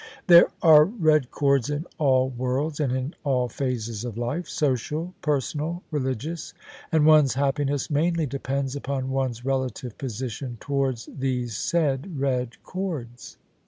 There are red cords in all worlds and in all phases of life — social, personal, religious: and one's happiness mainly depends upon one's relative position towards these said red cords.